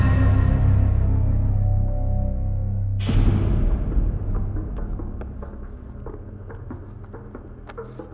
ไปไอ้มายอยู่ออกชีวิตให้ไว้